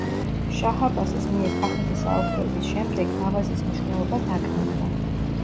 შაჰ-აბასის მიერ კახეთის აოხრების შემდეგ გავაზის მნიშვნელობა დაკნინდა.